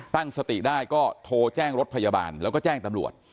ตั้งสติได้ก็โทรแจ้งรถพยาบาลแล้วก็แจ้งตำรวจ